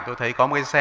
tôi thấy có một cái xe